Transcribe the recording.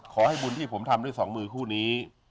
ขอให้บุญที่ผมทำด้วยสองมือคู่นี้